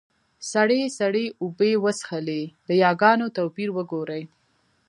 سړي سړې اوبۀ وڅښلې . د ياګانو توپير وګورئ!